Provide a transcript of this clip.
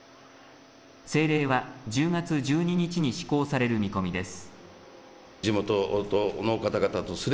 政令は１０月１２日に施行される見込みです。